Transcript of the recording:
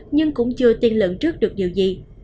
nhưng cũng chưa tiên lượng trước được nhiều gì